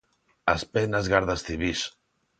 As penas gardas civís.